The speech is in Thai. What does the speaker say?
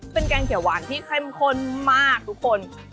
เป็นแกงเขียวหวานที่เข้มข้นมากทุกคน